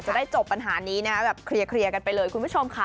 จะได้จบปัญหานี้นะแบบเคลียร์กันไปเลยคุณผู้ชมค่ะ